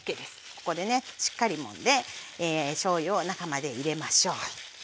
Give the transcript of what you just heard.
ここでねしっかりもんでしょうゆを中まで入れましょう。